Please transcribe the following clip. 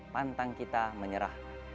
pantang kita menyerah